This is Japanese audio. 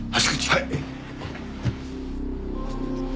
はい。